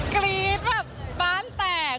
กรี๊ดแบบบ้านแตก